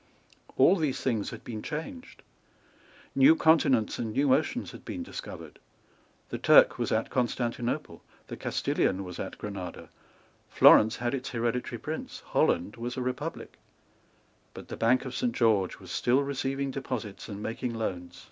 All these things had been changed. New continents and new oceans had been discovered. The Turk was at Constantinople; the Castilian was at Granada; Florence had its hereditary Prince; Holland was a Republic; but the Bank of Saint George was still receiving deposits and making loans.